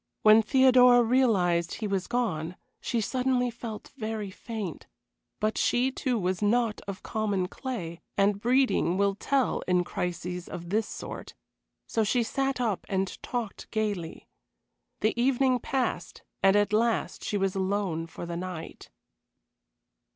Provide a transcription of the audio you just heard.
When Theodora realized he was gone she suddenly felt very faint; but she, too, was not of common clay, and breeding will tell in crises of this sort, so she sat up and talked gayly. The evening passed, and at last she was alone for the night.